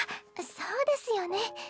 そうですよね。